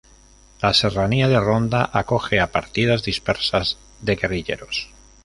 La serranía de Ronda acoge a partidas dispersas de guerrilleros.